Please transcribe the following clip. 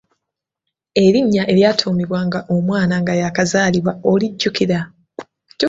Erinnya eryatuumibwanga omwana nga yaakazaalibwa olijjukira?